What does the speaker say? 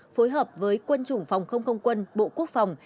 phối hợp với quân chủng phòng không không quân bộ quốc phòng